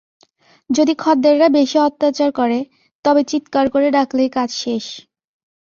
যদি খদ্দেররা বেশি অত্যাচার করে, তবে চিত্কার করে ডাকলেই কাজ শেষ।